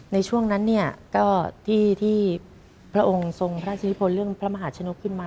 ในช่วงนั้นเนี่ยก็ที่พระองค์ทรงพระราชนิพลเรื่องพระมหาชนกขึ้นมา